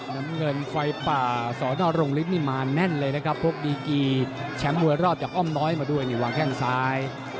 น้ำเงินไฟป่าสนรงฤทธินี่มาแน่นเลยนะครับพกดีกีแชมป์มวยรอบจากอ้อมน้อยมาด้วยนี่วางแข้งซ้าย